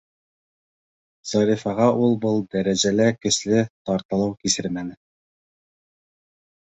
Зарифаға ул был дәрәжәлә көслө тартылыу кисермәне.